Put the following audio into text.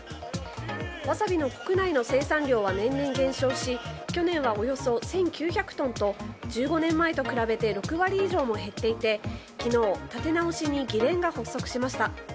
ワサビの国内の生産量は年々減少し去年はおよそ１９００トンと１５年前と比べて６割以上も減っていて、昨日立て直しに議連が発足しました。